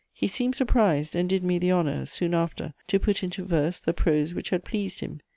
He seemed surprised, and did me the honour, soon after, to put into verse the prose which had pleased him.